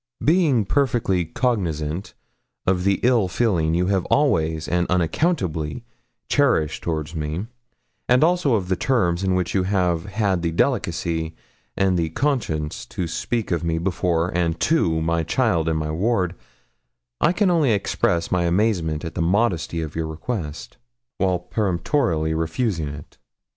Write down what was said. Being perfectly cognisant of the ill feeling you have always and unaccountably cherished toward me, and also of the terms in which you have had the delicacy and the conscience to speak of me before and to my child and my ward, I can only express my amazement at the modesty of your request, while peremptorily refusing it.